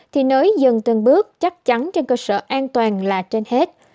thì nới dân tương bước chắc chắn trên cơ sở an toàn là trên hết